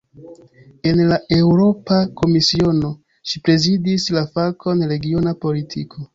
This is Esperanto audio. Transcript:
En la Eŭropa Komisiono, ŝi prezidis la fakon "regiona politiko".